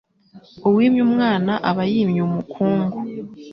Uwimye umwana aba yimye umukungu